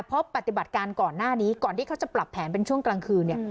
เพราะปฏิบัติการก่อนหน้านี้ก่อนที่เขาจะปรับแผนเป็นช่วงกลางคืนเนี่ย